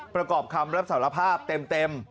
ประกอบคำรับสารภาพเต็ม